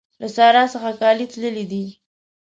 له سارا څخه کالي تللي دي.